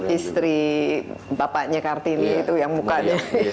istri bapaknya kartini itu yang mukanya